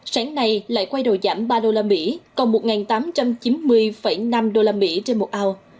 sáng nay lại quay đầu giảm ba usd còn một tám trăm chín mươi năm usd trên một ao